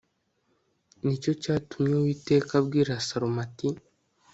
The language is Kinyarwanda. ni cyo cyatumye uwiteka abwira salomo ati